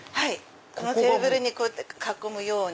このテーブル囲むように。